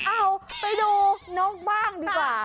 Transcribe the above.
เอาไปดูนกบ้างดีกว่า